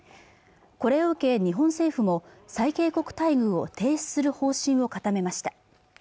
これを受け日本政府も最恵国待遇を停止する方針を固めました